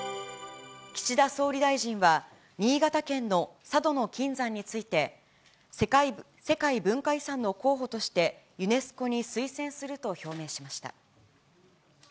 岸田総理大臣は、新潟県の佐渡島の金山について、世界文化遺産の候補としてユネスコに推薦すると表明しました。